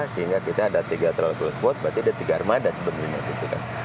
sehingga kita ada tiga trouble spot berarti ada tiga armada sebenarnya